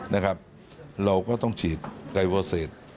เราก็ต้องฉีดไกลโฟเซต